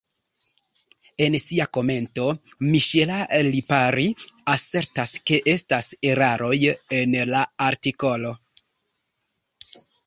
En sia komento Michela Lipari asertas, ke estas eraroj en la artikolo.